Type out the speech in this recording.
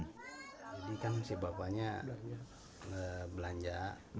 jadi kan si bapaknya belanja